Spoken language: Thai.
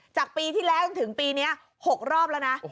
จากปีที่แล้วจนถึงปีนี้๖รอบแล้วนะ